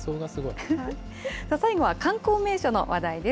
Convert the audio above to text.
最後は、観光名所の話題です。